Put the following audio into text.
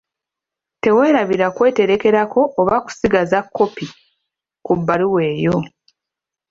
Teweerabira kweterekerako oba kusigaza 'kkopi', ku bbaluwa eyo.